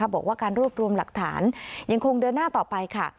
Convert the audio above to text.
บอกว่าการรวบรวมหลักฐานยังคงเดินหน้าต่อไปค่ะ